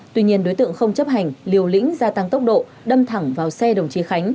tuy nhiên đối tượng không chấp hành liều lĩnh gia tăng tốc độ đâm thẳng vào xe đồng chí khánh